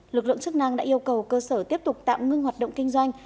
lực lượng chức năng đã yêu cầu cơ sở tiếp tục tạm ngưng hoạt động kinh doanh